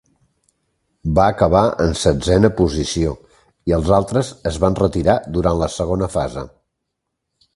Va acabar en setzena posició i els altres es van retirar durant la segona fase.